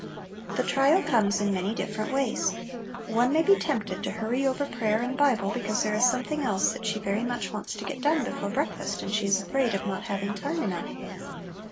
The trial comes in many different ways. One may be tempted to hurry over prayer and Bible, because there is something else that she very much wants to get done before breakfast, and she is afraid of not having time enough.